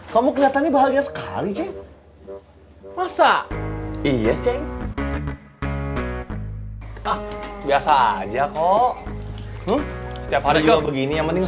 kamu kelihatannya bahagia sekali cek masa iya cek biasa aja kok setiap hari juga begini yang penting